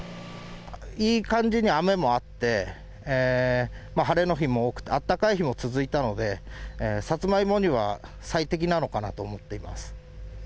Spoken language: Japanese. いい感じに雨もあって、晴れの日も多くて、あったかい日も続いたので、サツマイモには最適なのかなと思っています。